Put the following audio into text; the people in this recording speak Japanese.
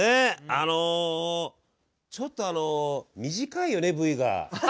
あのちょっとあの短いよねＶが。